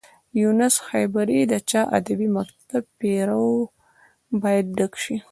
یونس خیبري د چا ادبي مکتب پيرو و باید ډک شي.